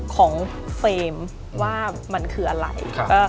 ของเฟรมว่ามันคืออะไร